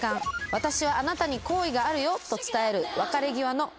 「私はあなたに好意があるよ」と伝えるああ。